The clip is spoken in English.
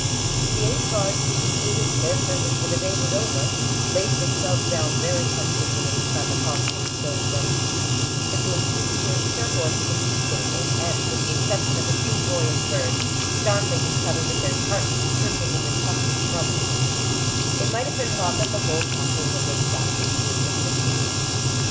The eight guards, who concluded their service for the day was over, laid themselves down very comfortably in the sun upon some stone benches; the grooms disappeared with their horses into the stables, and, with the exception of a few joyous birds, startling each other with their sharp chirping in the tufted shrubberies, it might have been thought that the whole castle was as soundly asleep as Monsieur was.